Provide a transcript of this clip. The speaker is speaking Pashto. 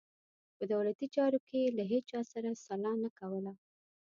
په دولتي چارو کې یې له هیچا سره سلا نه کوله.